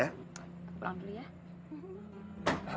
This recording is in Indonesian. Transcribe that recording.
aku pulang dulu ya